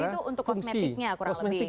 jadi itu untuk kosmetiknya kurang lebih